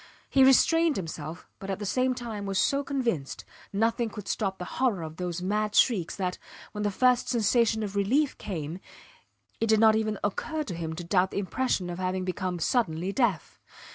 He restrained himself, but at the same time was so convinced nothing could stop the horror of those mad shrieks that, when the first sensation of relief came, it did not even occur to him to doubt the impression of having become suddenly deaf.